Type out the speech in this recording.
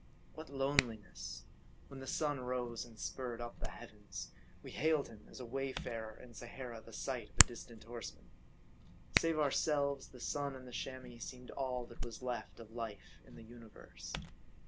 What loneliness ; when the sun rose, and spurred up the MARDI. 53 heavens, we hailed him as a wayfarer in Sahara the sight of a distant horseman. Save ourselves, the sun and the Chamois seemed all that was left of life in the universe.